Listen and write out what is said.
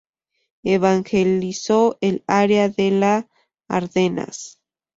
Evangelizó el área de la Ardenas.